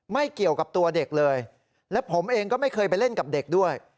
ไม่เกี่ยวกับตัวเด็กเลยและผมเองก็ไม่เคยไปเล่นกับเด็กด้วย